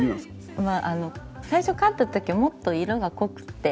最初飼った時はもっと色が濃くて。